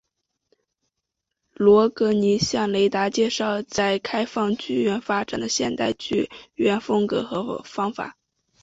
罗格尼向雷达介绍在开放剧院发展的现代剧院风格和方法。